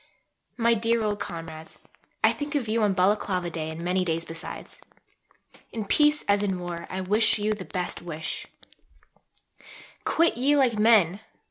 MY DEAR OLD COMRADES I think of you on Balaclava Day and many days besides. In peace as in war, I wish you the best wish: Quit ye like men!